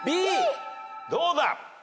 どうだ？